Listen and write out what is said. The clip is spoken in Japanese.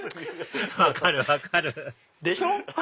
分かる分かるでしょ！